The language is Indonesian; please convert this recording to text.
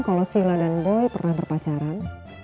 kalau sila dan boy pernah berpacaran